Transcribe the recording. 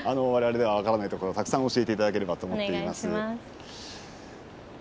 われわれでは分からないところたくさん教えていただければと思います。